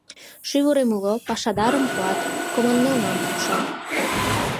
Шӱвырем уло, пашадарым пуат, команмелнам пукшат.